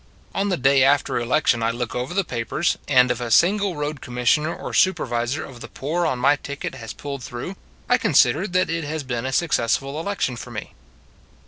On the day after election I look over the pa pers, and if a single Road Commissioner or Supervisor of the Poor on my ticket has pulled through, I consider that it has been a successful election for me.